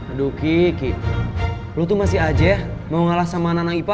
aduh ki ki lo tuh masih aja ya mau ngalah sama anak anak ipa